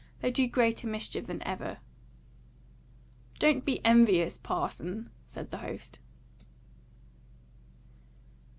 They do greater mischief than ever." "Don't be envious, parson," said the host.